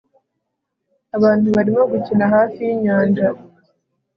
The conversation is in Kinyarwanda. abantu barimo gukina hafi yinyanja